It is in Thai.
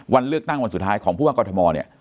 วันเลือกตั้งวันสุดท้ายของผู้ว่ากรทมเนี่ย